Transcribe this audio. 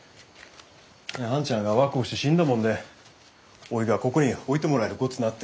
で兄ちゃんが若うして死んだもんでおいがここに置いてもらえるごつなって。